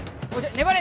粘れ。